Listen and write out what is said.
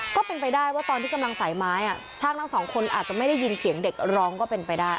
ก็เป็นไปได้ว่าตอนที่กำลังใส่ไม้ช่างทั้งสองคนอาจจะไม่ได้ยินเสียงเด็กร้องก็เป็นไปได้